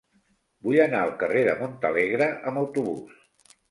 Vull anar al carrer de Montalegre amb autobús.